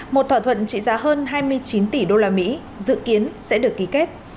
một thỏa thuận trị giá hơn hai mươi chín tỷ đô la mỹ dự kiến sẽ được ký kết